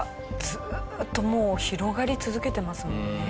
ずーっともう広がり続けてますもんね。